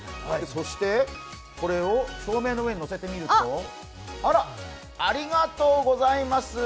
そしてこれを照明の上に乗せてみるとあら、ありがとうございます。